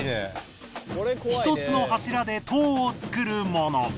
１つの柱で塔を作るもの。